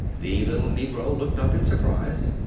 The little negro looked up in surprise.